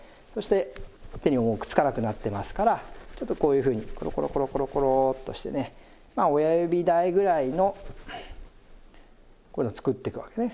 そして手にももうくっつかなくなってますからちょっとこういうふうにころころころころころっとしてまあ親指大ぐらいのこういうの作ってくわけね。